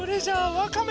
ワカメ？